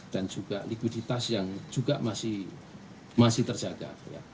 dan juga likuiditas yang juga masih terjaga